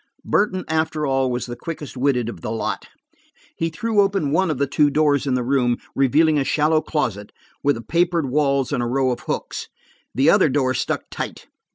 Burton, after all, was the quickest witted of the lot. He threw open one of the two doors in the room, revealing a shallow closet, with papered walls and a row of hooks. The other door stuck tight.